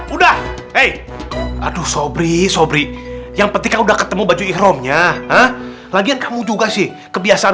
udah eh aduh sobri sobri yang penting udah ketemu baju ihromnya haa lagi kamu juga sih kebiasaan